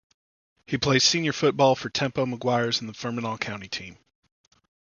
He plays senior football for Tempo Maguires and the Fermanagh county team.